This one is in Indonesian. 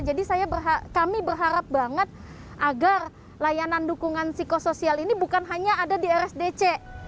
jadi kami berharap banget agar layanan dukungan psikosoial ini bukan hanya ada di rsdc